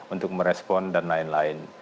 untuk merespon dan lain lain